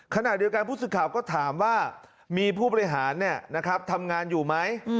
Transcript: ขณะเดียวกันผู้สื่อข่าวก็ถามว่ามีผู้บริหารทำงานอยู่ไหม